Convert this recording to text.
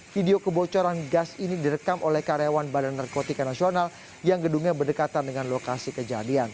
video kebocoran gas ini direkam oleh karyawan badan narkotika nasional yang gedungnya berdekatan dengan lokasi kejadian